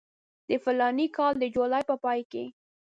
د فلاني کال د جولای په پای کې.